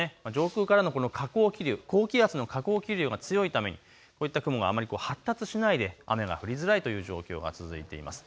上空からのこの下降気流、高気圧の下降気流が強いためにこういった雲はあまり発達しないで雨が降りづらいという状況が続いています。